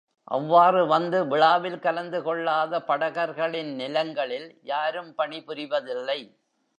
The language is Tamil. அவ்வாறு வந்து விழாவில் கலந்து கொள்ளாத படகர்களின் நிலங்களில் யாரும் பணி புரிவதில்லை.